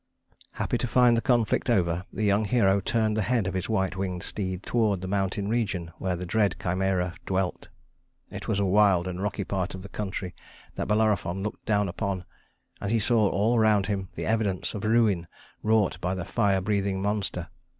Happy to find the conflict over, the young hero turned the head of his white winged steed toward the mountain region where the dread Chimæra dwelt. It was a wild and rocky part of the country that Bellerophon looked down upon, and he saw all around him the evidence of ruin wrought by the fire breathing monster.